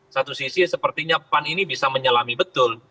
satu sisi sepertinya pan ini bisa menyelami betul